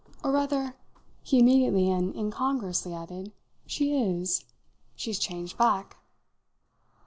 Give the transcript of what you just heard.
"Or rather," he immediately and incongruously added, "she is. She's changed back."